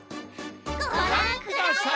ごらんください！